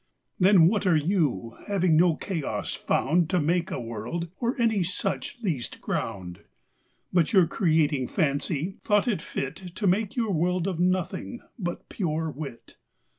Then what are You, having no Chaos found To make a World, or any such least ground? But your Creating Fancy, thought it fit To make your World of Nothing, but pure Wit.